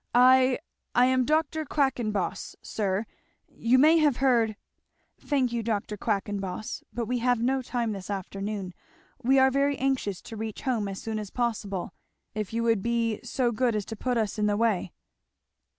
I I am Dr. Quackenboss, sir; you may have heard " "Thank you, Dr. Quackenboss, but we have no time this afternoon we are very anxious to reach home as soon as possible; if you would be be so good as to put us in the way."